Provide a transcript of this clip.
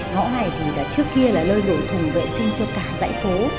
ngõ này thì trước kia là lơi đổ thùng vệ sinh cho cả dãy phố